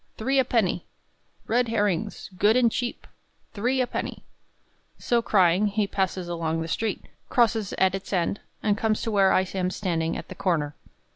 three a penny! Red herrings, good and cheap, three a penny!" So crying, he passes along the street, crosses at its end, and comes to where I am standing at the corner.